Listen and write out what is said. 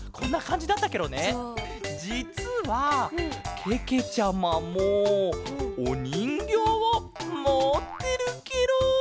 じつはけけちゃまもおにんぎょうをもってるケロ。